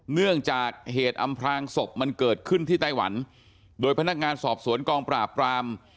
เนื่องจากเหตุอำพลางศพมันเกิดขึ้นที่ไต้หวันโดยพนักงานสอบสวนกองปราบปราม